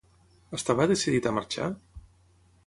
Estava decidit a marxar?